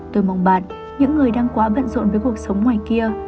tôi mong bạn những người đang quá bận rộn với cuộc sống ngoài kia